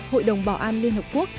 hội đồng bảo an liên hợp quốc